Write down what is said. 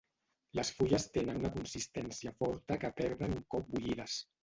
Les fulles tenen una consistència forta que perden un cop bullides.